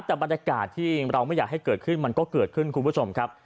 แต่บรรยากาศที่เราไม่อยากให้เกิดขึ้นมันก็เกิดขึ้นคุณผู้ชมครับ